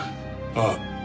ああ。